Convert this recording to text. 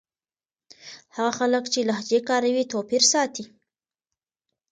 هغه خلک چې لهجې کاروي توپير ساتي.